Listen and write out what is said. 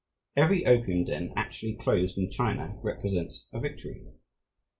Every opium den actually closed in China represents a victory.